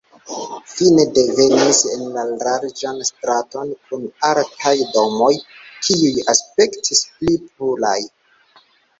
Fine ni venis en larĝan straton kun altaj domoj, kiuj aspektis pli puraj.